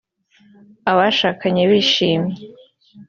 Abashakanye bishimye